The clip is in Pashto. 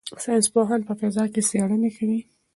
ساینس پوهان په فضا کې څېړنې کوي.